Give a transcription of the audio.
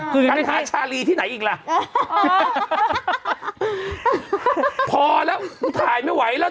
พอแล้วกูถ่ายไม่ไหวแล้วเดินทางไม่ไหวแล้ว